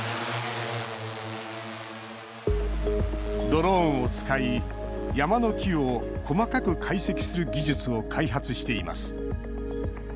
ドローンを使い山の木を細かく解析する技術を開発しています。